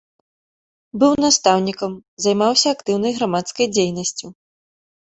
Быў настаўнікам, займаўся актыўнай грамадскай дзейнасцю.